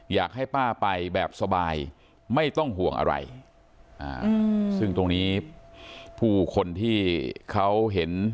อยากให้ป้าไปแบบสบายไม่ต้องห่วงอะไรซึ่งตรงนี้ผู้คนที่เขาเห็น